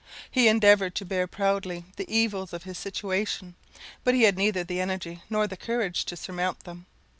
He endeavoured to bear proudly the evils of his situation, but he had neither the energy nor the courage to surmount them.